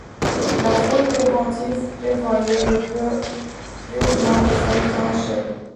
La fouille préventive prévoyait le creusement de cinq tranchées.